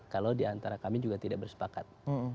kalau diantara kami juga tidak bersepakat